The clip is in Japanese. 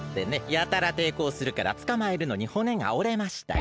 やたらていこうするからつかまえるのにほねがおれましたよ。